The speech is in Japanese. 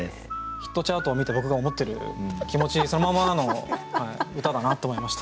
ヒットチャートを見て僕が思ってる気持ちそのままの歌だなと思いました。